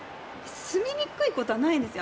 住みにくいことはないですよ。